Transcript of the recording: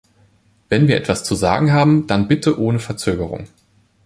Wenn wir etwas zu sagen haben, dann bitte ohne Verzögerung.